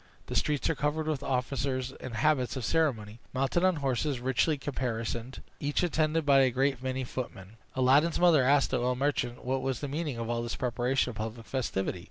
The streets were crowded with officers in habits of ceremony, mounted on horses richly caparisoned, each attended by a great many footmen. Aladdin's mother asked the oil merchant what was the meaning of all this preparation of public festivity.